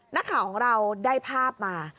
นักข่าวของเราได้ภาพมา